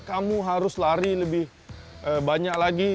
kamu harus lari lebih banyak lagi